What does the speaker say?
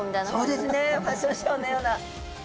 そうですねファッションショーのような。